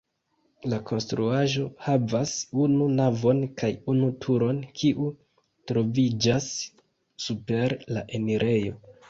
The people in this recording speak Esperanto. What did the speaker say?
La konstruaĵo havas unu navon kaj unu turon, kiu troviĝas super la enirejo.